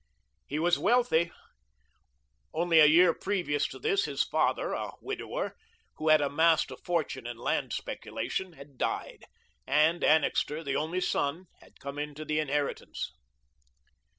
He was wealthy. Only a year previous to this his father a widower, who had amassed a fortune in land speculation had died, and Annixter, the only son, had come into the inheritance.